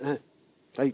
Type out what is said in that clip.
はい。